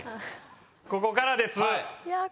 ここからです。